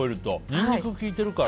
ニンニクが効いてるから。